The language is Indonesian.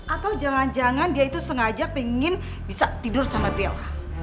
atau jangan jangan dia itu sengaja pingin bisa tidur sama belka